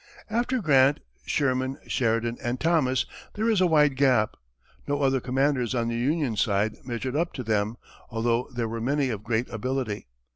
After Grant, Sherman, Sheridan and Thomas, there is a wide gap. No other commanders on the Union side measured up to them, although there were many of great ability.